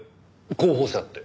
候補者って？